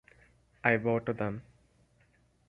I bow to them.